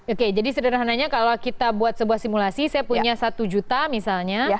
oke jadi sederhananya kalau kita buat sebuah simulasi saya punya satu juta misalnya